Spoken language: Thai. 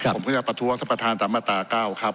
ผมขออยากประทับตัวท่านตามตาเก้าครับ